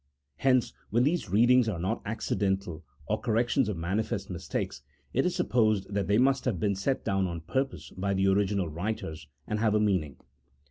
Hence, when these readings are not accidental or corrections of manifest mistakes, it is sup posed that they must have been set down on purpose by the original writers, and have a meaning.